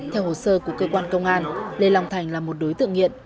theo hồ sơ của cơ quan công an lê long thành là một đối tượng nghiện